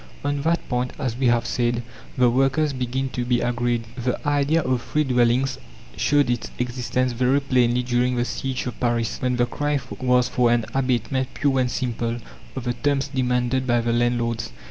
On that point, as we have said, the workers begin to be agreed. The idea of free dwellings showed its existence very plainly during the siege of Paris, when the cry was for an abatement pure and simple of the terms demanded by the landlords.